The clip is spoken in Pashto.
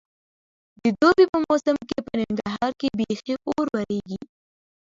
د دوبي په موسم کې په ننګرهار کې بیخي اور ورېږي.